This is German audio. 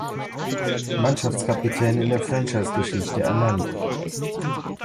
Mannschaftskapitän in der Franchise-Geschichte ernannt.